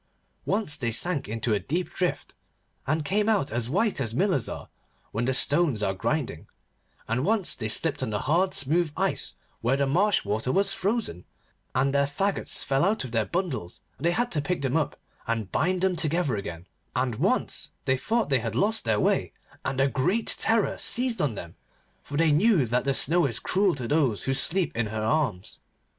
Once they sank into a deep drift, and came out as white as millers are, when the stones are grinding; and once they slipped on the hard smooth ice where the marsh water was frozen, and their faggots fell out of their bundles, and they had to pick them up and bind them together again; and once they thought that they had lost their way, and a great terror seized on them, for they knew that the Snow is cruel to those who sleep in her arms.